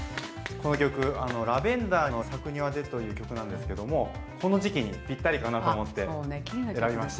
この曲あの「ラヴェンダーの咲く庭で」という曲なんですけどもこの時期にぴったりかなと思って選びました。